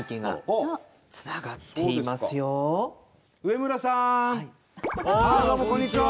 どうもこんにちは！